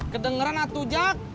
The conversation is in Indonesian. kedengeran atu jak